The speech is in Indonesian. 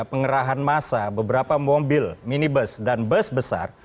pengerahan masa beberapa mobil minibus dan bus besar